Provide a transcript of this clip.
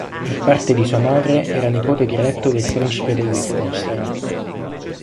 Per parte di sua madre era nipote diretto del principe del Liechtenstein.